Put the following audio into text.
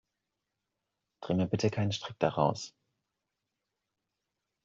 Dreh mir bitte keinen Strick daraus.